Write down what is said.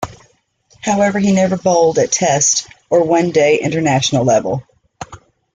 However he never bowled at Test or One Day International level.